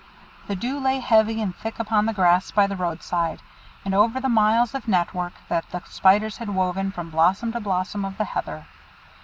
The dew lay heavy and thick upon the grass by the road side, and over the miles of network that the spiders had woven from blossom to blossom of the heather.